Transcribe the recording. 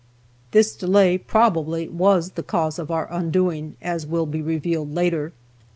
This delay probably was the cause of our undoing, as will be revealed later.